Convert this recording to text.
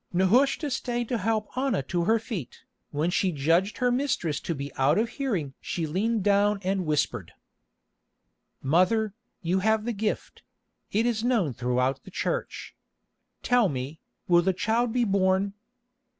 Nehushta stayed to help Anna to her feet. When she judged her mistress to be out of hearing she leaned down and whispered: "Mother, you have the gift; it is known throughout the Church. Tell me, will the child be born?"